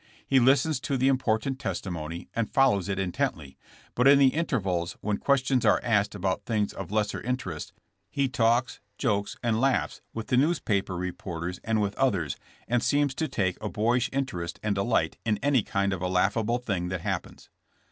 He listens to the impor tant testimony and follows it intently, but in the in tervals when questions are asked about things of lesser interest he talks, jokes and laughs with the newspaper reporters and with others and seems to take a boyish interest and delight in any kind of a laughable thing that happens.